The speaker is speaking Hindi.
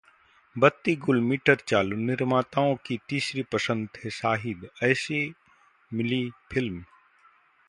बत्ती गुल मीटर चालू: निर्माताओं की तीसरी पसंद थे शाहिद, ऐसे मिली फिल्म